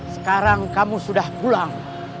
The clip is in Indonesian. sekarang kamu sudah pulang